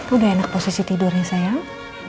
udah enak posisi tidurnya sayang